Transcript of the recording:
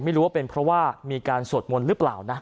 ไม่รู้ว่าเป็นเพราะว่ามีการสวดมนต์หรือเปล่านะ